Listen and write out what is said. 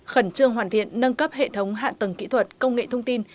khẩn trương hoàn thiện nâng cấp hệ thống hạ tầng kỹ thuật công nghệ thông tin